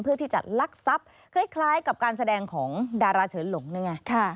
เพื่อที่จะลักทรัพย์คล้ายกับการแสดงของดาราเฉินหลงนั่นไง